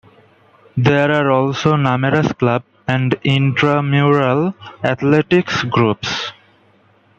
There are also numerous club and intramural athletics groups.